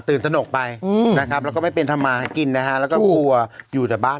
ตนกไปนะครับแล้วก็ไม่เป็นทำมากินนะฮะแล้วก็กลัวอยู่แต่บ้าน